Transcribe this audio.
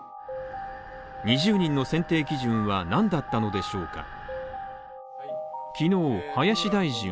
２０人の選定基準は何だったのでしょうか。